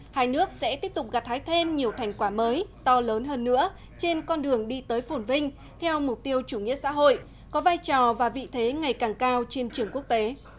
hai nước sẽ tiếp tục gặt hái thêm nhiều thành quả mới to lớn hơn nữa trên con đường đi tới phổn vinh theo mục tiêu chủ nghĩa xã hội có vai trò và vị thế ngày càng cao trên trường quốc tế